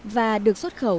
và được xuất khẩu